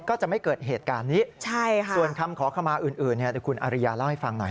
ก็จะไม่เกิดเหตุการณ์นี้ส่วนคำขอขมาอื่นเดี๋ยวคุณอาริยาเล่าให้ฟังหน่อย